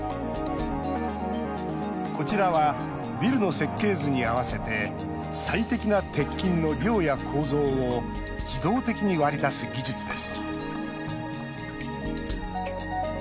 こちらはビルの設計図に合わせて最適な鉄筋の量や構造を自動的に割り出す技術です。